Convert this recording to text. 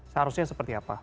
seharusnya seperti apa